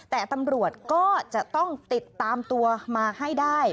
แต่ตำรวจก็จะต้องติดตามตัวมาให้ได้